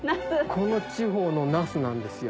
この地方のナスなんですよ。